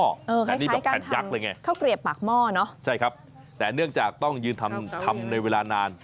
คล้ายกับแผ่นยักษ์เลยไงใช่ครับแต่เนื่องจากต้องยืนทำในเวลานาน